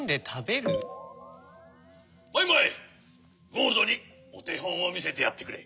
マイマイゴールドにおてほんをみせてやってくれ。